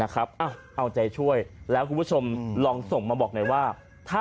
เข้าใจหัวอกเลยนะ